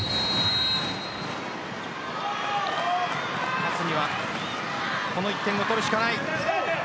勝つにはこの１点を取るしかない。